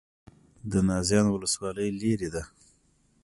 د نازیانو ولسوالۍ لیرې ده